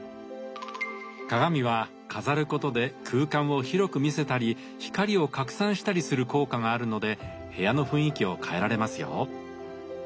鏡は飾ることで空間を広く見せたり光を拡散したりする効果があるので部屋の雰囲気を変えられますよ。